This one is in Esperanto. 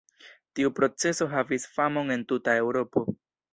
Tiu proceso havis famon en tuta Eŭropo.